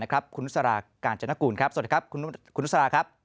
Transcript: คุณนุษรากาญจนกูลครับสวัสดีครับคุณนุษราครับ